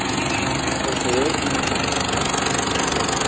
Posee una larga cola.